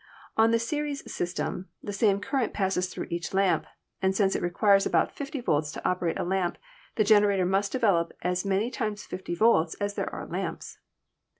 On the series sys tem the same current passes through each lamp, and since it requires about 50 volts to operate a lamp the generator must develop as many times 50 volts as there are lamps.